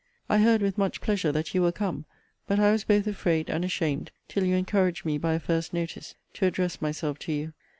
I heard with much pleasure that you were come; but I was both afraid and ashamed, till you encouraged me by a first notice, to address myself to you.